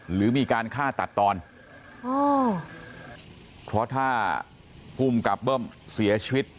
หรือมีการฆ่าตัดตอนอ๋อเพราะถ้าภูมิกับเบิ้มเสียชีวิต